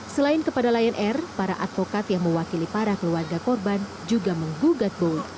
selain kepada lion air para advokat yang mewakili para keluarga korban juga menggugat bowo